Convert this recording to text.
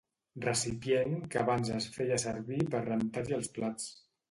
Recipient que abans es feia servir per rentar-hi els plats.